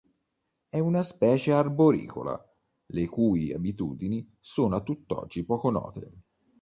È una specie arboricola, le cui abitudini sono a tutt'oggi poco note.